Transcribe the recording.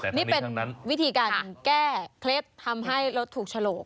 นี่เป็นวิธีการแก้เคล็ดทำให้เราถูกฉลก